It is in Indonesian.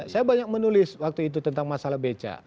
saya banyak menulis waktu itu tentang masalah beca